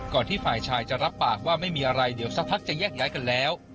ที่ฝ่ายชายจะรับปากว่าไม่มีอะไรเดี๋ยวสักพักจะแยกย้ายกันแล้ว